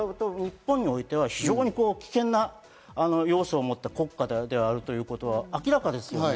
北朝鮮はずっと日本においては、非常に危険な要素を持った国家であるということは明らかですよね。